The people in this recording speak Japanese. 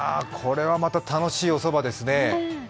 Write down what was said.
これはまた楽しいおそばですね。